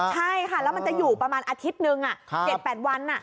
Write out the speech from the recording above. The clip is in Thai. ใช่ค่ะแล้วมันจะอยู่ประมาณอาทิตย์หนึ่ง๗๘วัน